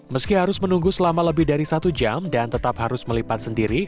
meski harus menunggu selama lebih dari satu jam dan tetap harus melipat sendiri